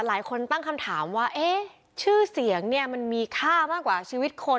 หลายคนตั้งคำถามว่าเอ๊ะชื่อเสียงเนี่ยมันมีค่ามากกว่าชีวิตคน